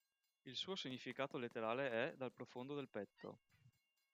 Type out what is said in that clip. Il suo significato letterale è: "dal profondo del petto".